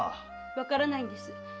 わからないんです。